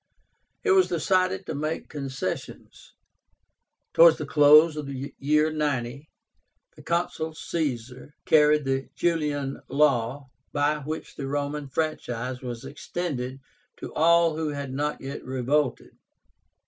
It was decided to make concessions. Towards the close of the year 90, the Consul Caesar carried the JULIAN LAW, by which the Roman franchise was extended to all who had not yet revolted.